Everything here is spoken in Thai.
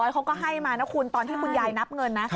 เขาก็ให้มานะคุณตอนที่คุณยายนับเงินนะ